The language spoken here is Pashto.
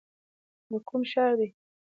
د کوم ښار دی ؟